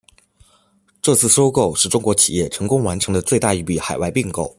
这次收购是中国企业成功完成的最大一笔海外并购。